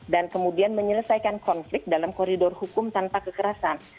dan kemudian menyelesaikan konflik dalam koridor hukum tanpa kekerasan